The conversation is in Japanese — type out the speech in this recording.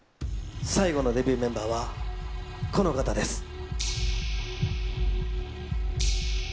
最後のデビューメンバーはこの方です。